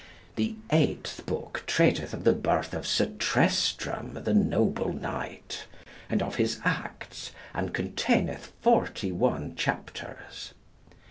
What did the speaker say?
The eighth book treateth of the birth of Sir Tristram the noble knight, and of his acts, and containeth 41 chapters.